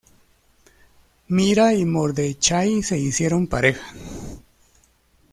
Mira y Mordechai se hicieron pareja.